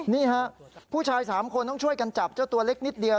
นี่ฮะผู้ชาย๓คนต้องช่วยกันจับเจ้าตัวเล็กนิดเดียว